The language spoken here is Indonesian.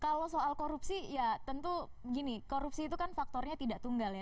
kalau soal korupsi ya tentu gini korupsi itu kan faktornya tidak tunggal ya